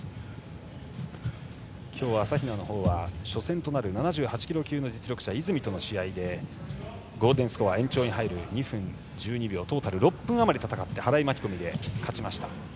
今日は朝比奈のほうは初戦となる７８キロ級の実力者泉との試合で、ゴールデンスコア延長に入るトータル６分あまり戦って払い巻き込みで敗れました。